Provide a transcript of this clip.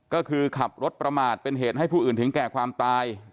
ก็คือขับรถประมาทเป็นเหตุให้ผู้อื่นถึงแก่ความตาย